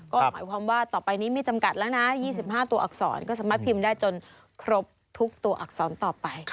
ก็หมายความว่าต่อไปนี้ไม่จำกัดแล้วนะ๒๕ตัวอักษรก็สามารถพิมพ์ได้จนครบทุกตัวอักษรต่อไป